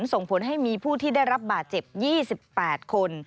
ส่งผลให้มีผู้ที่ได้รับบาดเจ็บ๒๘คน